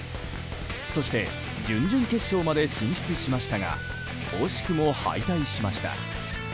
そして、準々決勝まで進出しましたが惜しくも敗退しました。